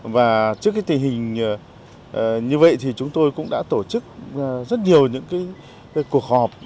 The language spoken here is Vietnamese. và trước cái tình hình như vậy thì chúng tôi cũng đã tổ chức rất nhiều những cái cuộc họp